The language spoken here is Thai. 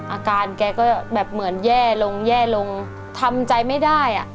อาการแกก็แบบเหมือนแย่ลงแย่ลงทำใจไม่ได้อ่ะ